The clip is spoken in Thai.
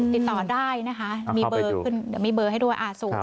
ติดต่อได้นะคะเดี๋ยวมีเบอร์ให้ด้วย